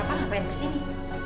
bapak ngapain di sini